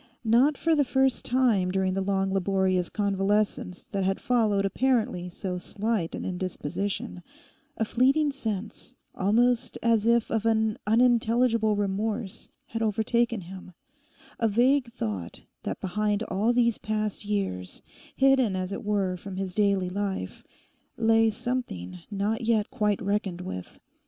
Not for the first time during the long laborious convalescence that had followed apparently so slight an indisposition, a fleeting sense almost as if of an unintelligible remorse had overtaken him, a vague thought that behind all these past years, hidden as it were from his daily life, lay something not yet quite reckoned with.